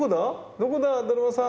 どこだだるまさん。